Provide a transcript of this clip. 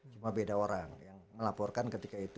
cuma beda orang yang melaporkan ketika itu